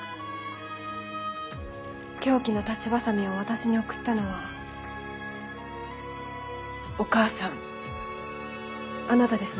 凶器の裁ちバサミを私に送ったのはお母さんあなたですね？